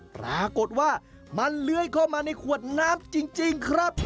ปรากฏว่ามันเลื้อยเข้ามาในขวดน้ำจริงครับ